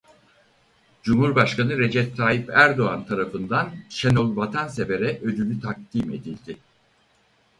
Cumhurbaşkanı Recep Tayyip Erdoğan tarafından Şenol Vatansever'e ödülü takdim edildi.